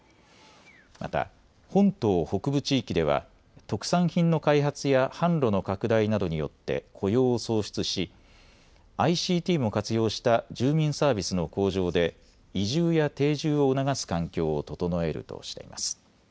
また本島北部地域では特産品の開発や販路の拡大などによって雇用を創出しＩＣＴも活用した住民サービスの向上で移住や定住を促す環境を整えるとしています。